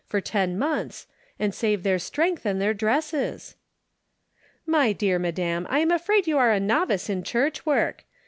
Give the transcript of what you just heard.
83 for ten months, and save their strength and their dresses?" " My dear madam, I am afraid you are a novice in church work.